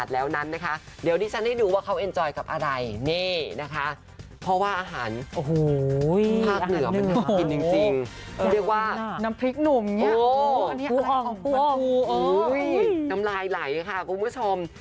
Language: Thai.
และแล้วสุดท้ายค่ะคุณผู้ชม